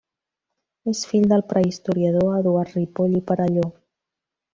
És fill del prehistoriador Eduard Ripoll i Perelló.